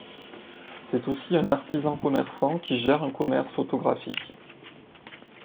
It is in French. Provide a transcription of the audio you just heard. C'est aussi un artisan-commerçant qui gère un commerce photographique.